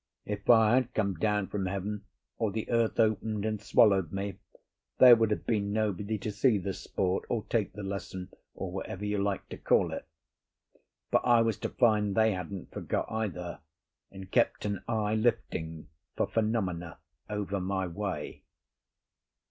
If fire had come down from heaven or the earth opened and swallowed me, there would have been nobody to see the sport or take the lesson, or whatever you like to call it. But I was to find they hadn't forgot either, and kept an eye lifting for phenomena over my way.